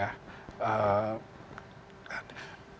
bahwa pemerintahan ini sangat positif